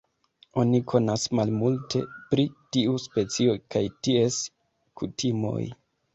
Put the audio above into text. Oni konas malmulte pri tiu specio kaj ties kutimoj.